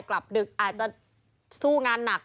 กลับดึกอาจจะสู้งานหนัก